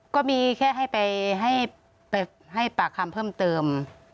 ก็มีแค่ให้ไปให้ปากคำเพิ่มเติม